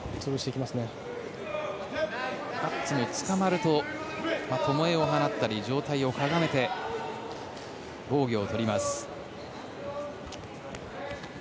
カッツもつかまると上体をかがめて防御を取ります。